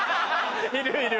いるいる！